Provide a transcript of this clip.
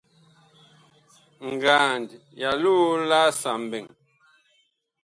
Ngand ya loo laasa mɓɛɛŋ.